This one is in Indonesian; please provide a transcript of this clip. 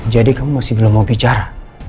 jadi kamu masih belum mau bicara